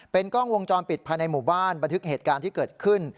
กล้องวงจรปิดภายในหมู่บ้านบันทึกเหตุการณ์ที่เกิดขึ้น